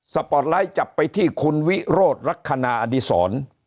สปอร์ตไลท์จับไปที่คุณวิโรธรัคคณาอดีศร